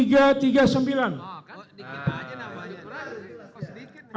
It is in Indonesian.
jangan tambah lagi tuh